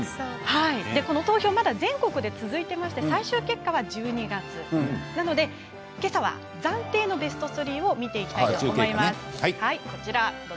この投票まだ全国で続いていて最終結果は１２月けさは暫定のベスト３を見ていきます。